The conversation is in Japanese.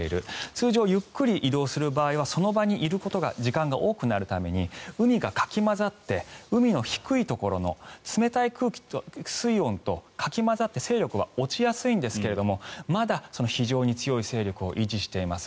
通常、ゆっくり移動する場合その場所にいる時間が多くなるために海がかき混ざって海の低いところの冷たい水温とかき混ざって勢力は落ちやすいんですがまだ非常に強い勢力を維持しています。